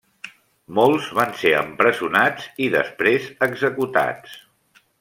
Molts van ser empresonats i després executats.